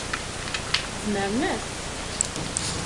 Zemren-as.